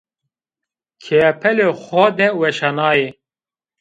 Keyepelê xo de weşanayî